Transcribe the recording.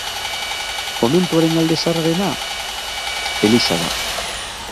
Komentuaren alde zaharrena eliza da.